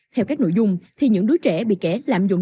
theo các nội dung thì những đứa trẻ bị kẻ lạm dụng